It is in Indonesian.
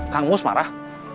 kang mus marah